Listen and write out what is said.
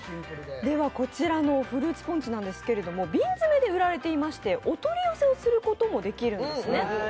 こちらのフルーツポンチなんですけど瓶詰めで売られていましてお取り寄せをすることもできるんですね。